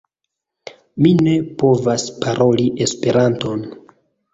Mi ne povas paroli Esperanton!